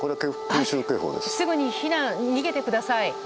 すぐに逃げてください。